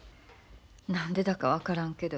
何でだか分からんけど。